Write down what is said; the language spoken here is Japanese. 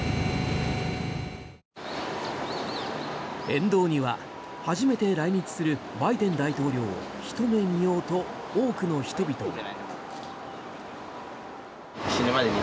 沿道には初めて来日するバイデン大統領をひと目見ようと多くの人々が。